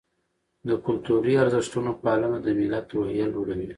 د کلتوري ارزښتونو پالنه د ملت روحیه لوړوي.